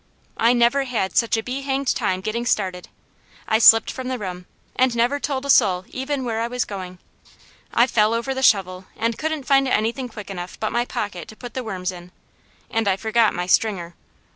I never had such a be hanged time getting started. I slipped from the room, and never told a soul even where I was going. I fell over the shovel and couldn't find anything quick enough but my pocket to put the worms in, and I forgot my stringer.